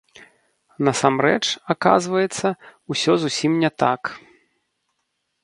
Насамрэч, аказваецца, усё зусім не так.